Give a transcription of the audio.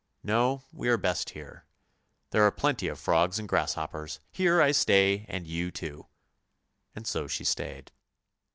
No, we are best here; there are plenty of frogs and grasshoppers. Here I stay and you too! " And so she stayed.